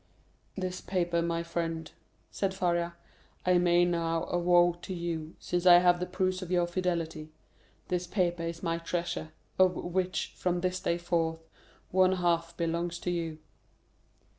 "This paper, my friend," said Faria, "I may now avow to you, since I have the proof of your fidelity—this paper is my treasure, of which, from this day forth, one half belongs to you."